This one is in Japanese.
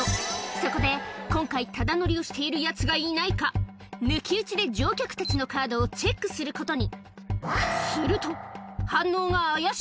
そこで、今回、ただ乗りをしているやつがいないか、抜き打ちで乗客たちのカードをチェックすることに。